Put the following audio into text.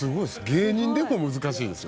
芸人でも難しいですよ。